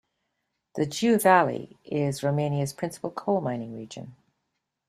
The Jiu Valley is Romania's principal coal mining region.